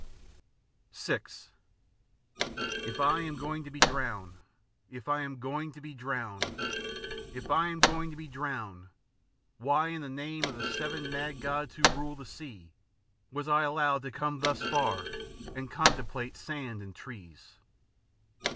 VI "If I am going to be drowned if I am going to be drowned if I am going to be drowned, why, in the name of the seven mad gods who rule the sea, was I allowed to come thus far and contemplate sand and trees?"